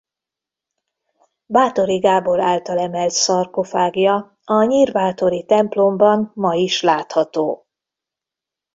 Báthory Gábor által emelt szarkofágja a nyírbátori templomban ma is látható.